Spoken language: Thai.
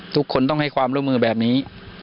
ทุกคนต้องให้ความร่วมมือแบบนี้